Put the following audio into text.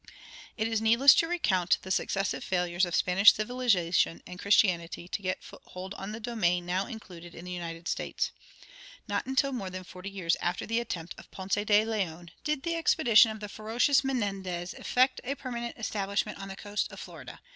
It is needless to recount the successive failures of Spanish civilization and Christianity to get foothold on the domain now included in the United States. Not until more than forty years after the attempt of Ponce de Leon did the expedition of the ferocious Menendez effect a permanent establishment on the coast of Florida.